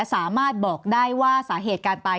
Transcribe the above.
สามารถบอกได้ว่าสาเหตุการตาย